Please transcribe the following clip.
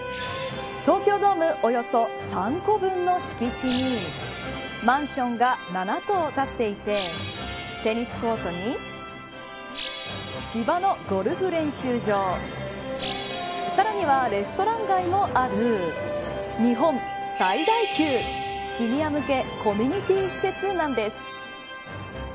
東京ドームおよそ３個分の敷地にマンションが７棟建っていてテニスコートに芝のゴルフ練習場さらにはレストラン街もある日本最大級シニア向けコミュニティ施設なんです。